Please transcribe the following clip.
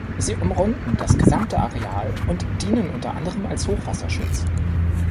Sie umrunden das gesamte Areal und dienen unter anderem als Hochwasserschutz.